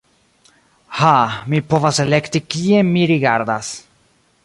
Ha mi povas elekti kien mi rigardas.